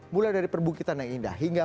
mulai dari perbukitan yang indah